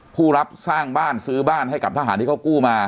ผู้รับสร้างบ้านซื้อบ้านให้กับทหารที่เขากู้มา